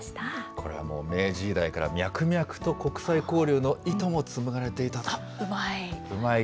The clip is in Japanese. これはもう、明治時代から脈々と国際交流の糸もつながれていうまい。